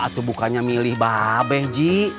atau bukannya milih babe ji